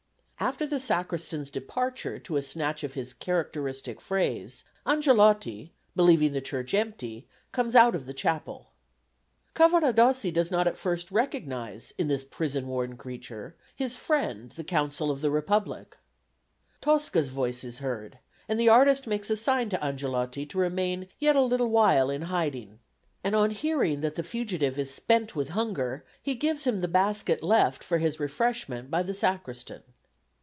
After the Sacristan's departure to a snatch of his characteristic phrase, Angelotti, believing the church empty, comes out of the chapel. Cavaradossi does not at first recognise, in this prison worn creature, his friend the Consul of the Republic. Tosca's voice is heard, and the artist makes a sign to Angelotti to remain yet a little while in hiding, and on hearing that the fugitive is spent with hunger, he gives him the basket left, for his refreshment, by the Sacristan.